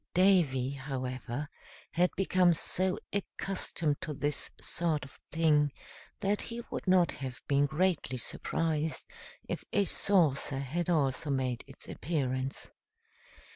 Davy, however, had become so accustomed to this sort of thing that he would not have been greatly surprised if a saucer had also made its appearance.